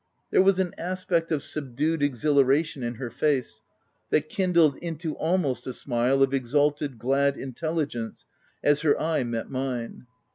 There was an aspect of subdued exhilaration in her face, that kindled into almost a smile of ex alted, glad intelligence as her eye met mine.